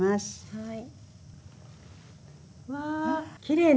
はい。